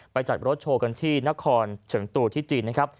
จัดรถโชว์กันที่นครเฉิงตูที่จีนนะครับ